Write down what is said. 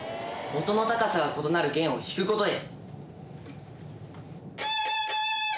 音の高さが異なる弦を弾くことで。